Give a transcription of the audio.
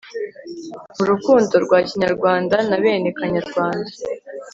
m'urukundo rwa kanyarwanda na bene kanyarwanda